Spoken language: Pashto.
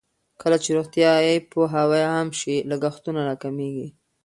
کله چې روغتیايي پوهاوی عام شي، لګښتونه راکمېږي.